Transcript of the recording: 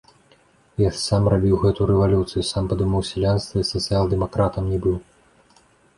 Я ж сам рабіў гэтую рэвалюцыю, сам падымаў сялянства і сацыял-дэмакратам не быў!